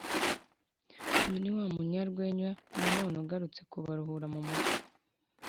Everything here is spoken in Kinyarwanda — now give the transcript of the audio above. uyu ni wa munyarwenya na none ugarutse kubaruhura mu mutwe